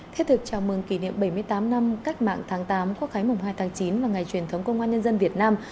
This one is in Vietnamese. thiết thực chào mừng kỷ niệm bảy mươi tám năm cách mạng tháng tám quốc khái mùng hai tháng chín và ngày truyền thống công an nhân dân việt nam